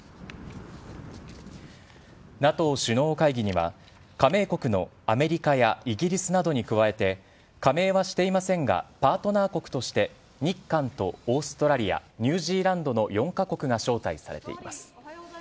ＮＡＴＯ首脳会議には、加盟国のアメリカやイギリスなどに加えて、加盟はしていませんが、パートナー国として日韓とオーストラリア、ニュージーランドの４か国が招待されています。